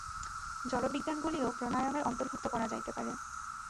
জড়বিজ্ঞানগুলিও প্রাণায়ামের অন্তর্ভুক্ত করা যাইতে পারে।